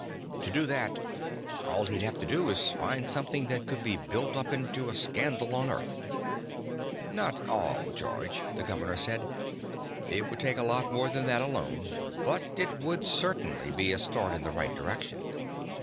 To do that, all he'd have to do is find something that could be built up into a scandal on Earth." "Not, all, George," the governor said. "It would take a lot more than that alone. But it would certainly be a start in the right direction."